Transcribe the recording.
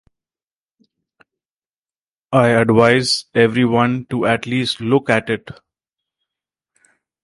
I advise everyone to at least look at it.